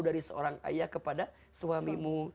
dari seorang ayah kepada suamimu